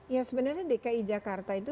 ya sebenarnya dki jakarta itu